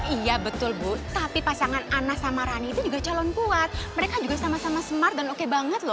iya betul bu tapi pasangan anna sama rani juga calon kuat mereka juga sama sama smart dan oke